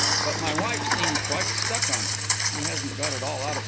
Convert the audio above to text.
But my wife seemed quite stuck on it. She hasn't got it all out of her hair yet.